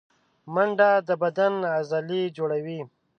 منډه د بدن عضلې جوړوي